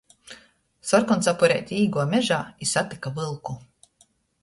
Sorkoncapureite īguoja mežā i satyka vylku.